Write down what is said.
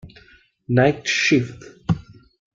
Night Shift